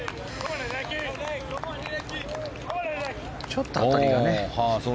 ちょっと当たりがね。